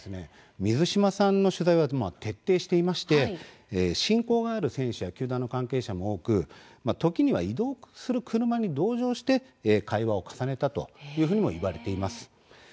水島さんの取材は徹底していまして親交がある選手や球団関係者も多く、時には移動する車に同乗して会話を重ねたというふうにも言われています。